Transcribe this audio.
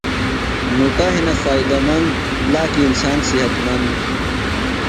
مُٹہ ہِنہ فائدہ مند، لاکیۡ انسان صحت مند